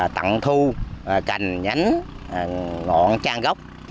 tặng thu cành nhánh ngọn trang gốc